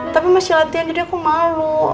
tapi masih latihan jadi aku malu